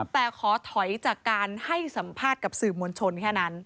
แต่ขอถอยจากการให้สัมภาษณ์กับสื่อมวลชนแค่นั้น